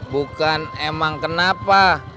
bukan emang kenapa